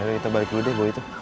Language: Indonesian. yaudah kita balik dulu deh buat itu